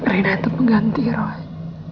rena itu pengganti roy